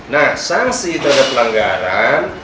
nah sanksi terhadap pelanggaran